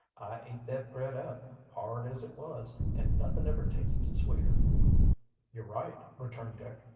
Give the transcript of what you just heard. I ate that bread up, hard as it was, and nuthin' ever tasted sweeter." "You're right," returned Dick.